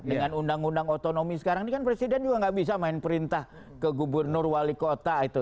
dengan undang undang otonomi sekarang ini kan presiden juga nggak bisa main perintah ke gubernur wali kota itu